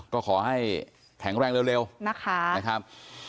ก็ขอให้แข็งแรงเร็วนะคะ